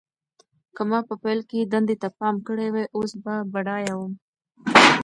که ما په پیل کې دندې ته پام کړی وای، اوس به بډایه وم.